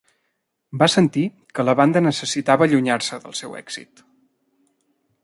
Va sentir que la banda necessitava allunyar-se del seu èxit.